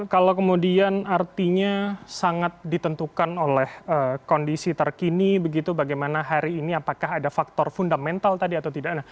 kalau kemudian artinya sangat ditentukan oleh kondisi terkini begitu bagaimana hari ini apakah ada faktor fundamental tadi atau tidak